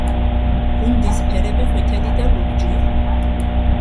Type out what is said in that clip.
გუნდის ფერები ყვითელი და ლურჯია.